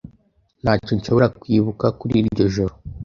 Ntacyo nshobora kwibuka kuri iryo joro.